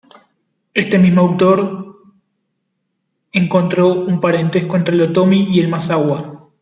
Este mismo autor encontró un parentesco entre el otomí y el mazahua.